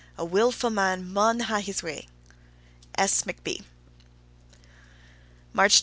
A wilfu' man maun hae his way. S. McB. March 22.